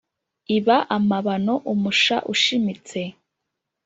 iba amabano umasha ushimitse